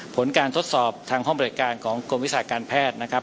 ผลการทดสอบทางห้องบริการของกรมวิชาการแพทย์นะครับ